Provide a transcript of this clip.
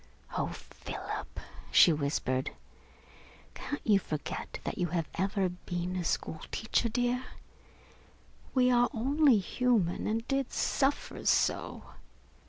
"Oh, Philip," she whispered, "can't you forget that you have ever been a school teacher, dear? We are only human, and did suffer so.